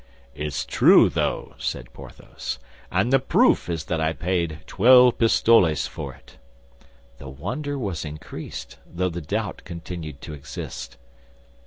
"It's true, though," said Porthos; "and the proof is that I paid twelve pistoles for it." The wonder was increased, though the doubt continued to exist.